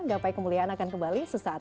gapai kemuliaan akan kembali sesaat lagi